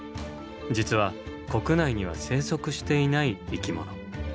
実は国内には生息していない生き物。